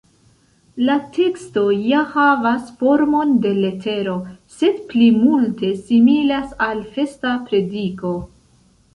La teksto ja havas formon de letero, sed pli multe similas al festa prediko.